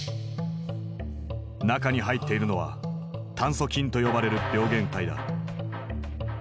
中に入っているのは炭疽菌と呼ばれる病原体だ。